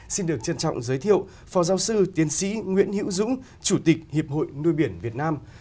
xin được trân trọng giới thiệu phó giáo sư tiến sĩ nguyễn hữu dũng chủ tịch hiệp hội nuôi biển việt nam